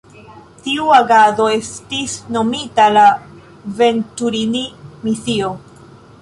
Tiu agado estis nomita la Venturini-misio.